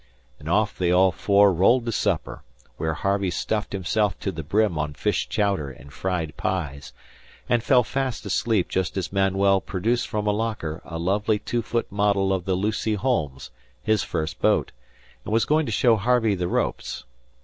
And off they all four rolled to supper, where Harvey stuffed himself to the brim on fish chowder and fried pies, and fell fast asleep just as Manuel produced from a locker a lovely two foot model of the Lucy Holmes, his first boat, and was going to show Harvey the ropes.